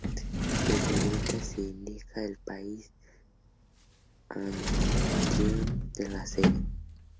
En negrita se indica al país anfitrión de la serie.